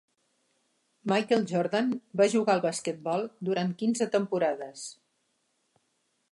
Michael Jordan va jugar al basquetbol durant quinze temporades.